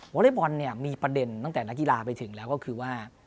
วอเลท์บอลมีประเด็นนั้นแต่นักงี่ราไปถึงแล้วก็คือว่า